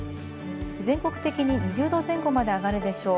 全国的に２０度前後まで上がるでしょう。